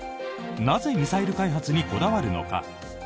なぜミサイル開発にこだわるのか。